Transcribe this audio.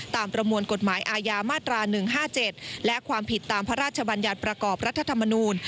ประมวลกฎหมายอาญามาตรา๑๕๗และความผิดตามพระราชบัญญัติประกอบรัฐธรรมนูล